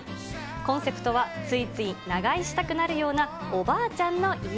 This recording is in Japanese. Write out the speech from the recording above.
コンセプトは、ついつい長居したくなるような、おばあちゃんの家。